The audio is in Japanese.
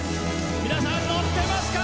皆さん乗ってますか？